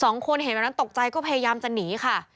สองคนเห็นแบบนั้นตกใจก็พยายามจะหนีค่ะ